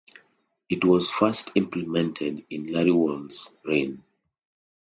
It was first implemented in Larry Wall's rn.